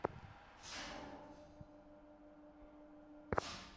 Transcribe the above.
ঠিক আছে, প্রায় বের করে এনেছি।